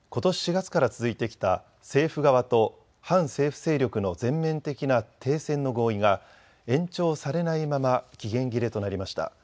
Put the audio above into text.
４月から続いてきた政府側と反政府勢力の全面的な停戦の合意が延長されないまま期限切れとなりました。